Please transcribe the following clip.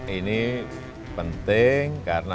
yeah rap ini memang dibawah tenaga